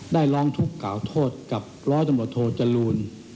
ร้องทุกข์กล่าวโทษกับร้อยตำรวจโทจรูล